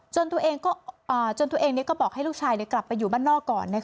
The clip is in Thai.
ตัวเองจนตัวเองก็บอกให้ลูกชายกลับไปอยู่บ้านนอกก่อน